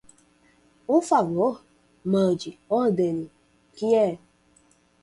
Um favor? Mande, ordene, que é?